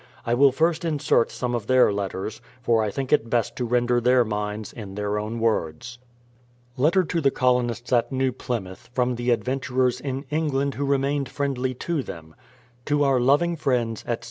I will first insert some of their letters ; for I think it best to render their minds in their own words : Letter to the Colonists at New Plymouth, from the Adventurers in England who remained friendly to them: To our Loving Friends, etc.